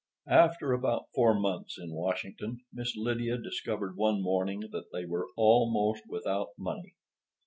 After about four months in Washington, Miss Lydia discovered one morning that they were almost without money.